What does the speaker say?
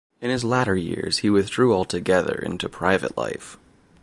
In his latter years he withdrew altogether into private life.